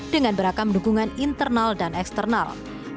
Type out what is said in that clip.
dengan beragam dukungan internal dan eksternal